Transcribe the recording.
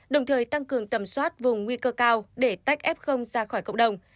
đồng thời tăng cường tầm soát vùng nguy cơ cao để tách f ra khỏi cộng đồng